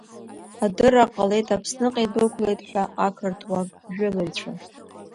Адырра ҟалеит Аԥсныҟа идәықәлеит ҳәа ақырҭуа жәылаҩцәа.